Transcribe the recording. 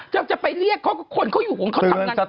จะไปเรียกเขาก็คนเขาอยู่ของเขาทำงาน